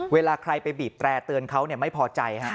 เวลาใครไปบีบแตร่เตือนเขาไม่พอใจ